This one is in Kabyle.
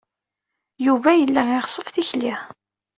Yuba yella iɣeṣṣeb tikli.